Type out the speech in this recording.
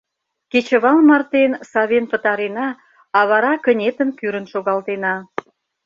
— Кечывал мартен савен пытарена, а вара кынетым кӱрын шогалтена.